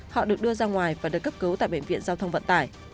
họ được đưa ra ngoài và được cấp cứu tại bệnh viện giao thông vận tải